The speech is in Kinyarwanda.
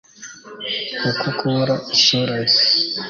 kuko kubura isura ye